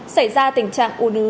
xảy ra tình trạng u nứ